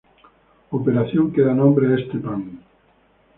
Operación que da nombre a este pan.